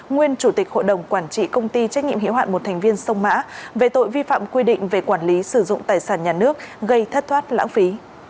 nguyên chủ tịch hội đồng quản trị công ty trách nhiệm hiệu hạn một thành viên sông mã về tội vi phạm quy định về quản lý sử dụng tài sản nhà nước gây thất thoát lãng phí